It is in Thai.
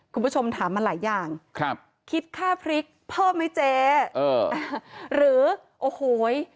คุณผู้ชมถามมาหลายอย่างครับคิดค่าพริกเพิ่มไหมเจ๊เออหรือโอ้โห